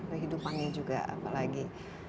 kehidupannya juga apalagi